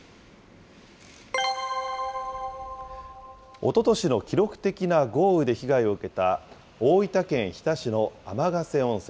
おととしの記録的な豪雨で被害を受けた、大分県日田市の天ヶ瀬温泉。